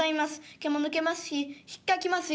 毛も抜けますしひっかきますよ」。